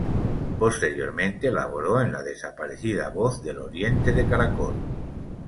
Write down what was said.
Posteriormente laboró en la desaparecida Voz del Oriente de Caracol.